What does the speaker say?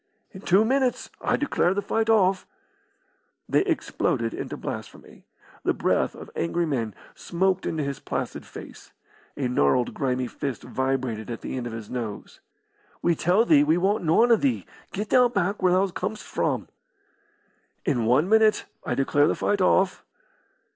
"In two minutes I declare the fight off." They exploded into blasphemy. The breath of angry men smoked into his placid face. A gnarled, grimy fist vibrated at the end of his nose. "We tell thee we want noan o' thee. Get thou back where thou com'st from." "In one minute I declare the fight off."